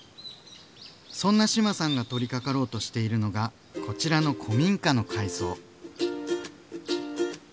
そんな志麻さんが取りかかろうとしているのがこちらの古民家の改装。